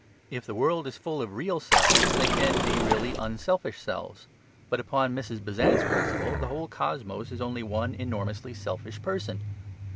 If the world is full of real selves, they can be really unselfish selves. But upon Mrs. Besant's principle the whole cosmos is only one enormously selfish person.